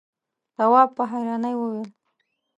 تواب په حيرانی وويل: